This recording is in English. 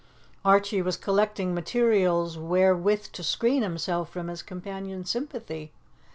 Archie was collecting materials wherewith to screen himself from his companion's sympathy.